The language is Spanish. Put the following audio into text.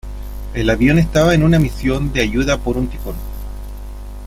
El avión estaba en una misión de ayuda por un tifón.